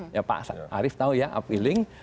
ya pak arief tahu ya upwilling